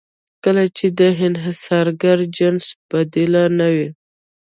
کله چې د انحصارګر جنس بدیل نه وي.